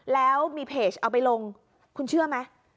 แล้วมีเพจเอาไปลงคุณเชื่อไหม